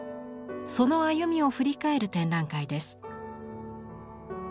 その歩みを振り返る展覧会です。